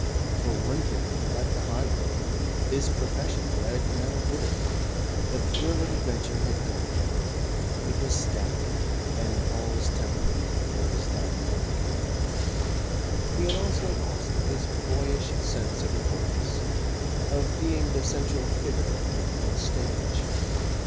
For one thing, like the high road, his profession led nowhither. The thrill of adventure had gone from it. It was static, and Paul's temperament was dynamic. He had also lost his boyish sense of importance, of being the central figure in the little stage.